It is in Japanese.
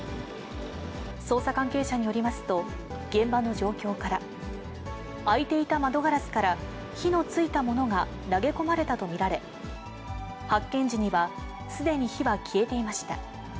捜査関係者によりますと、現場の状況から、開いていた窓ガラスから火のついたものが投げ込まれたと見られ、発見時には、すでに火は消えていました。